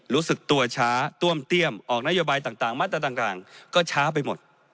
รู้สึกตัวช้าต้วมเตี้ยมออกนโยบายต่างมาตรต่างก็ช้าไปหมด